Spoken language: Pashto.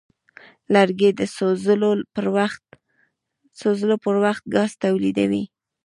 لرګی د سوځولو پر وخت ګاز تولیدوي.